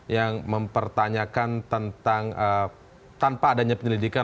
yang mempertanyakan tentang tanpa adanya penyelidikan